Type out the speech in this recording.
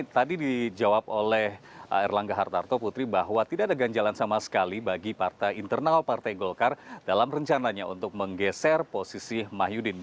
tadi dijawab oleh erlangga hartarto putri bahwa tidak ada ganjalan sama sekali bagi partai internal partai golkar dalam rencananya untuk menggeser posisi mahyudin